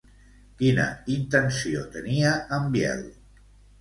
Quina intenció tenia en Biel?